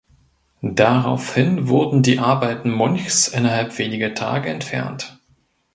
Daraufhin wurden die Arbeiten Munchs innerhalb weniger Tage entfernt.